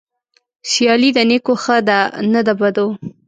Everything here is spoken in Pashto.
سيالي د نيکو ښه ده نه د بدو.